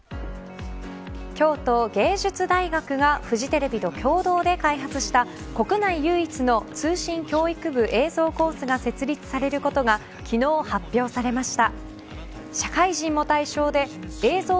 京都芸術大学がフジテレビと共同で開発した国内唯一の通信教育部映像コースが設立されることが昨日、発表されました。